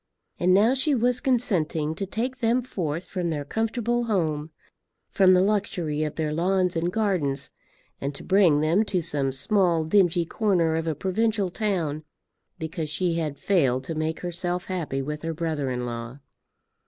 And now she was consenting to take them forth from their comfortable home, from the luxury of their lawns and gardens, and to bring them to some small dingy corner of a provincial town, because she had failed to make herself happy with her brother in law.